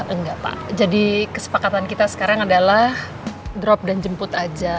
enggak pak jadi kesepakatan kita sekarang adalah drop dan jemput aja